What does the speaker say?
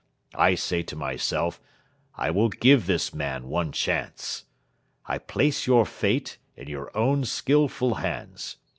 I say to myself, 'I will give this man one chance.' I place your fate in your own skilful hands.